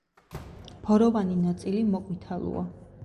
ფოროვანი ნაწილი მოყვითალოა.